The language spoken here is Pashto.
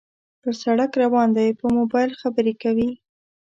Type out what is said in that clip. پر سړک روان دى په موبایل خبرې کوي